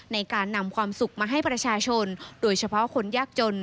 ในการนำความสุขมาให้ประชาชนโดยเฉพาะคนยากจน